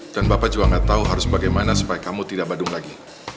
dan bapak juga tidak tahu harus bagaimana supaya kamu tidak badung lagi